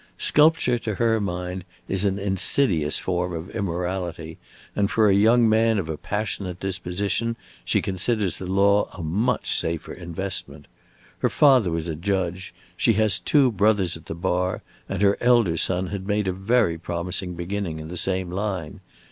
Sculpture, to her mind, is an insidious form of immorality, and for a young man of a passionate disposition she considers the law a much safer investment. Her father was a judge, she has two brothers at the bar, and her elder son had made a very promising beginning in the same line.